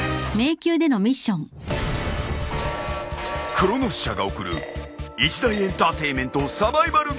［クロノス社が送る一大エンターテインメントサバイバルゲーム］